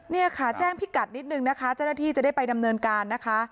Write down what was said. เนี่ยค่ะแจ้งพิกัดนิดนึงนะคะเจ้าหน้าที่จะได้ไปดำเนินการนะคะ